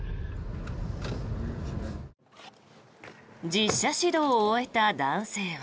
実車指導を終えた男性は。